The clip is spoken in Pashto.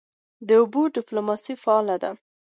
د اوبو ډیپلوماسي فعاله ده؟